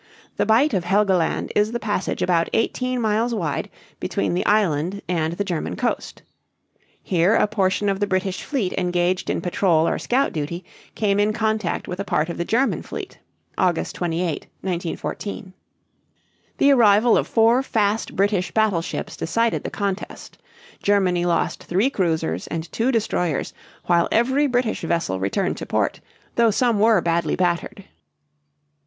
The Bight of Helgoland is the passage about eighteen miles wide between the island and the German coast. Here a portion of the British fleet engaged in patrol or scout duty came in contact with a part of the German fleet (August 28, 1914). The arrival of four fast British battleships decided the contest. Germany lost three cruisers and two destroyers, while every British vessel returned to port, though some were badly battered.